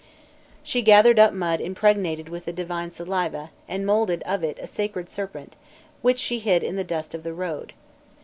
She gathered up mud impregnated with the divine saliva, and moulded of it a sacred serpent which she hid in the dust of the road.